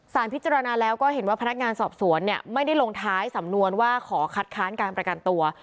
พิจารณาแล้วก็เห็นว่าพนักงานสอบสวนเนี่ยไม่ได้ลงท้ายสำนวนว่าขอคัดค้านการประกันตัว